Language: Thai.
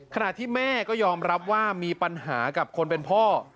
ขณะที่แม่ก็ยอมรับว่ามีปัญหากับคนเป็นพ่อ